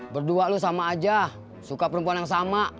berdua lo sama aja suka perempuan yang sama